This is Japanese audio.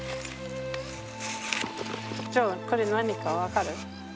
ジョーこれ何か分かる？